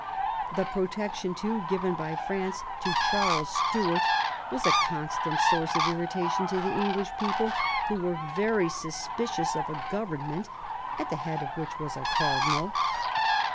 The protection, too, given by France to Charles Stuart was a constant source of irritation to the English people, who were very suspicious of a government at the head of which was a cardinal.